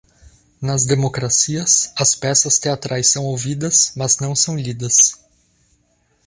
Nas democracias, as peças teatrais são ouvidas, mas não são lidas.